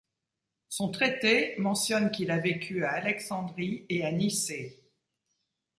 Son traité mentionne qu'il a vécu à Alexandrie et à Nicée.